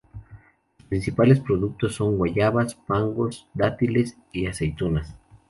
Sus principales productos son guayabas, mangos, dátiles y aceitunas.